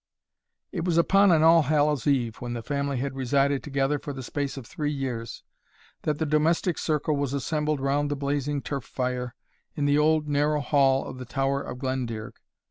It was upon an All Hallow's eve, when the family had resided together for the space of three years, that the domestic circle was assembled round the blazing turf fire, in the old narrow hall of the Tower of Glendearg.